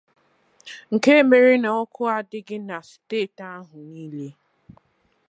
nke mere na ọkụ adịghị na steeti ahụ niile.